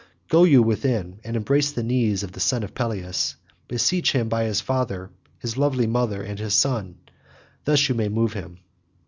Go you within, and embrace the knees of the son of Peleus: beseech him by his father, his lovely mother, and his son; thus you may move him."